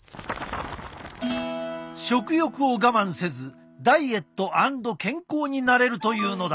食欲を我慢せずダイエット＆健康になれるというのだ！